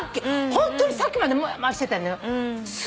ホントにさっきまでモヤモヤしてたのよ。